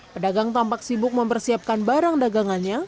pedagang tampak sibuk mempersiapkan barang dagangannya